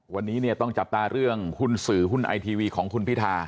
วันนี้เนี่ยต้องจับตาเรื่องหุ้นสื่อหุ้นไอทีวีของคุณพิธา